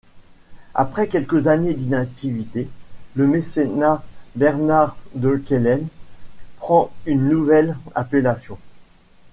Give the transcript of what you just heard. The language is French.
Après quelques années d’inactivité, le Mécénat Besnard de Quelen prend une nouvelle appellation.